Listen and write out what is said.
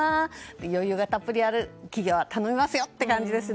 余裕がたっぷりある企業は頼みますよという感じですね。